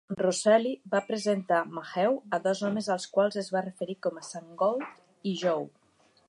Roselli va presentar Maheu a dos homes als quals es va referir com a "Sam Gold" i "Joe.